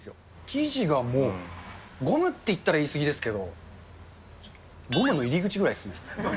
生地がもう、ゴムって言ったら言い過ぎですけど、ゴムの入り口ぐらいですね。